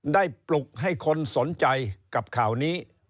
ปลุกให้คนสนใจกับข่าวนี้